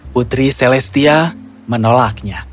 putri celestia menolaknya